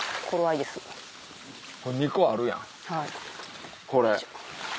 ２個あるやんこれ。